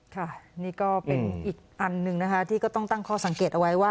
ค่ะนี่ก็เป็นอีกอันหนึ่งนะคะที่ก็ต้องตั้งข้อสังเกตเอาไว้ว่า